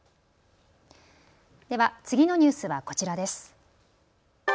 では次のニュースはこちらです。